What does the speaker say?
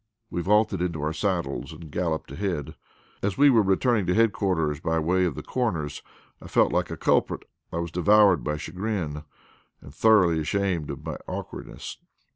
We vaulted into our saddles and galloped ahead. As we were returning to headquarters by way of the Corners I felt like a culprit; I was devoured by chagrin, and thoroughly ashamed of my awkwardness.